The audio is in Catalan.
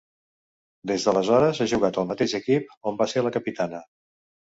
Des d'aleshores ha jugat al mateix equip, on va ser la capitana.